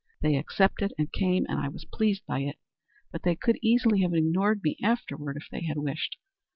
They accepted and came and I was pleased by it; but they could easily have ignored me afterward if they had wished.